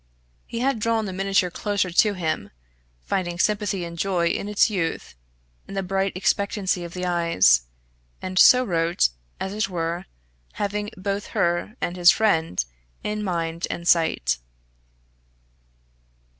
He had drawn the miniature closer to him, finding sympathy and joy in its youth, in the bright expectancy of the eyes, and so wrote, as it were, having both her and his friend in mind and sight.